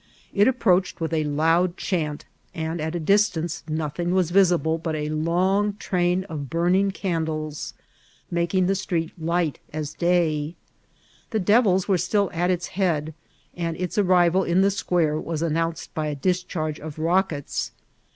It approached with a loud chant, and at a distance nothing was visible but a long tndn of bimuaig oaodleB^ making the street light as day* The devils were still at its head, and its ariiyal in the square was annoanoed by a discharge of rockets.